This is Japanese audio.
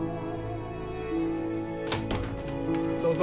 どうぞ。